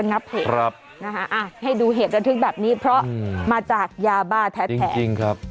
นะฮะให้ดูเหตุกระทุกข์แบบนี้เพราะมาจากยาบ้าแท้จริงครับ